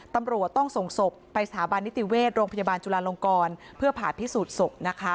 ตำรวจต้องส่งศพไปสถาบันนิติเวชโรงพยาบาลจุลาลงกรเพื่อผ่าพิสูจน์ศพนะคะ